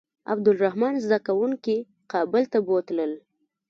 عبدالرحمن زده کوونکي کابل ته بوتلل.